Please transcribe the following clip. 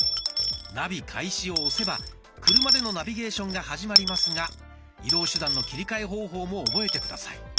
「ナビ開始」を押せば車でのナビゲーションが始まりますが移動手段の切り替え方法も覚えて下さい。